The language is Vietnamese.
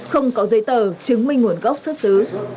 không có giấy tờ chứng minh nguồn gốc xuất xứ